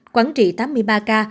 quảng trị tám mươi ba ca